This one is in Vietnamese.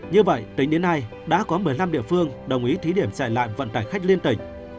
như vậy tính đến nay đã có một mươi năm địa phương đồng ý thí điểm dạy lại vận tải khách liên tỉnh